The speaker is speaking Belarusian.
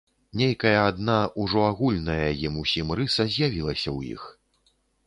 Нейкая адна, ужо агульная ім усім рыса з'явілася ў іх.